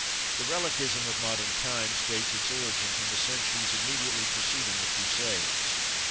The reliquism of modern times dates its origin from the centuries immediately preceding the Crusades.